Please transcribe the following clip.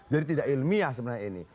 jadi tidak ilmiah sebenarnya ini